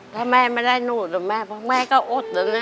ถ้าแม่ไม่ได้หนูหรอแม่พ่อแม่ก็อดแล้วนะ